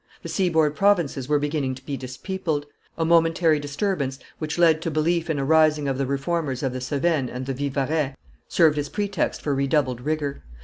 The seaboard provinces were beginning to be dispeopled. A momentary disturbance, which led to belief in a rising of the Reformers in the Cevennes and the Vivarais, served as pretext for redoubled rigor.